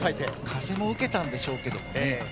風も受けたんでしょうけどもね。